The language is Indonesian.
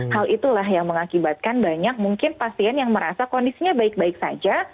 hal itulah yang mengakibatkan banyak mungkin pasien yang merasa kondisinya baik baik saja